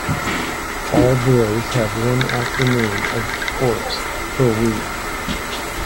All boys have one afternoon of sports per week.